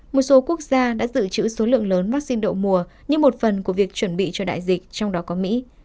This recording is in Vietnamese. một số quốc gia đã dự trữ số lượng lớn vaccine đậu mùa như một phần của việc chuẩn bị cho đại dịch trong đó có mỹ